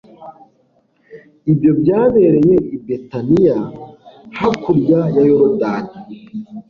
ibyo byabereye i betaniya hakurya ya yorodani